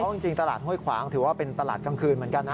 จริงตลาดห้วยขวางถือว่าเป็นตลาดกลางคืนเหมือนกันนะ